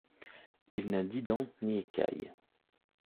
Il n'a ni dents ni écailles.